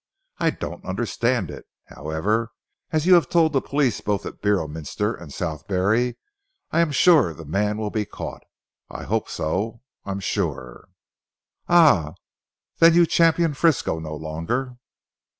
I don't understand it. However, as you have told the police both at Beorminster and Southberry, I am sure the man will be caught. I hope so I'm sure." "Ah! Then you champion Frisco no longer?"